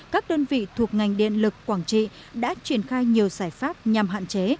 các đơn vị thuộc ngành điện lực quảng trị đã triển khai nhiều giải pháp nhằm hạn chế